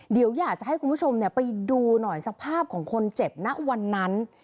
เดี๋ยวอยากจะให้คุณผู้ชมไปดูหน่อยสภาพของคนเจ็บณวันนั้น